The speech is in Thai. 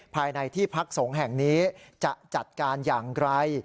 ภายในที่พักสงฆ์แห่งนี้จะจัดการอย่างไร